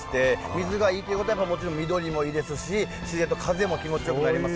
水がいいということはやっぱもちろん緑もいいですし自然と風も気持ちよくなりますので。